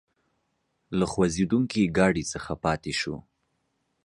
له خوځېدونکي ګاډي څخه پاتې شوو.